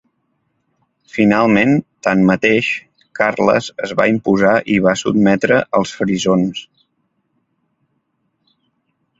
Finalment, tanmateix, Carles es va imposar i va sotmetre als frisons.